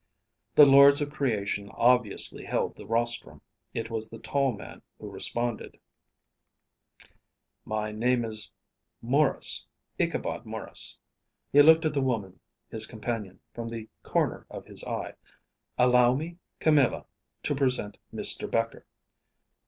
The lords of creation obviously held the rostrum. It was the tall man who responded. "My name is Maurice, Ichabod Maurice." He looked at the woman, his companion, from the corner of his eye. "Allow me, Camilla, to present Mr. Becher."